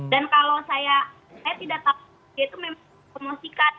dan kalau saya tidak tahu dia itu memang mempromosikan